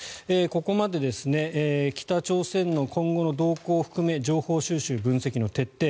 ここまで北朝鮮の今後の動向を含め情報収集・分析の徹底